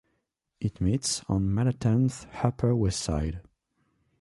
It meets on Manhattan's Upper West Side.